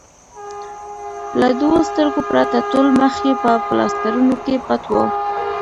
له دوو سترګو پرته ټول مخ یې په پلاسټرونو کې پټ و.